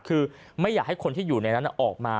คือไม่อยากให้คนที่อยู่ในนั้นออกมา